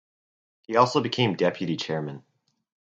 He also became deputy chairman.